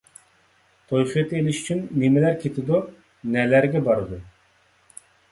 توي خېتى ئېلىش ئۈچۈن نېمىلەر كېتىدۇ؟ نەلەرگە بارىدۇ؟